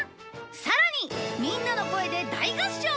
さらにみんなの声で大合唱！